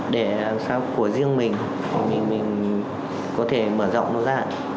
để làm sao của riêng mình có thể mở rộng nó ra